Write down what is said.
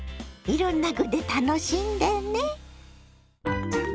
いろんな具で楽しんでね。